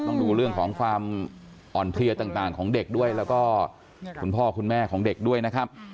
ต้องดูเรื่องของความอ่อนเพลียต่างของเด็กด้วยแล้วก็คุณพ่อคุณแม่ของเด็กด้วยนะครับ